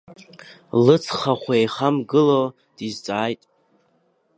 Лыцхахә еихамгыло дизҵааит.